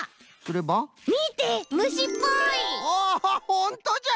ほんとじゃ！